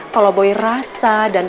kalau boy rasa dan